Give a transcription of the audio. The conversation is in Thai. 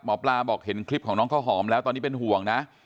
หมอปลาบอกเห็นคลิปของน้องข้าวหอมแล้วตอนนี้เป็นห่วงนะ